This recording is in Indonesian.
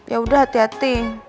ya udah hati hati